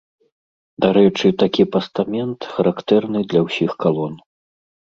Дарэчы, такі пастамент характэрны для ўсіх калон.